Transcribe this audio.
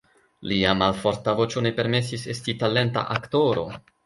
Lia malforta voĉo ne permesis esti talenta aktoro.